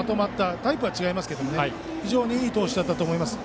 タイプこそ違いますが非常にいい投手だったと思います。